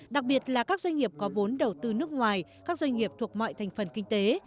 đặc biệt là các doanh nghiệp có vốn đầu tư nước ngoài các doanh nghiệp thuộc mọi thành phần kinh tế